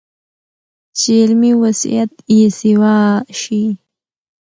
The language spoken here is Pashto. چې علمي وسعت ئې سېوا شي